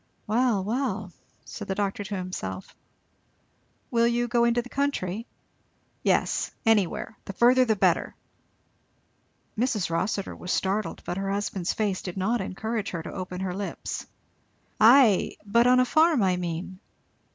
"Well, well," said the doctor to himself; "Will you go into the country?" "Yes! anywhere! the further the better." Mrs. Rossitur startled, but her husband's face did not encourage her to open her lips. "Ay but on a farm, I mean?"